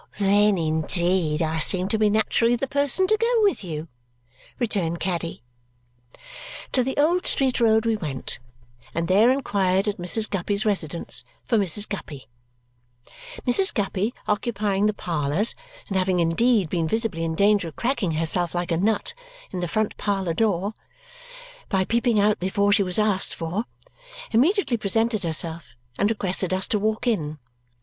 "Then, indeed, I seem to be naturally the person to go with you," returned Caddy. To the Old Street Road we went and there inquired at Mrs. Guppy's residence for Mrs. Guppy. Mrs. Guppy, occupying the parlours and having indeed been visibly in danger of cracking herself like a nut in the front parlour door by peeping out before she was asked for, immediately presented herself and requested us to walk in.